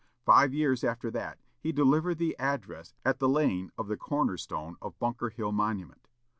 Five years after that, he delivered the address at the laying of the corner stone of Bunker Hill monument.